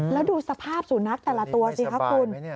แล้วดูสภาพสุนัขแต่ละตัวสิคะคุณ